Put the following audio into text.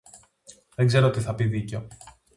Δεν ξέρω τι θα πει δίκιο